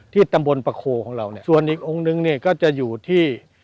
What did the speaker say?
ตำบลประโคของเราเนี่ยส่วนอีกองค์นึงเนี่ยก็จะอยู่ที่